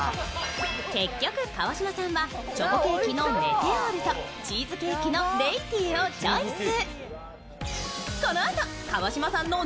結局川島さんはチョコケーキのメテオールとチーズケーキのレイティエをチョイス。